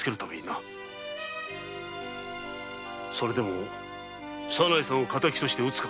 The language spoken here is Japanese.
それでも左内さんを敵として討つか？